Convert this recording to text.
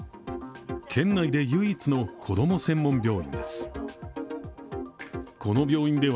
県内で唯一の子供専門病院です。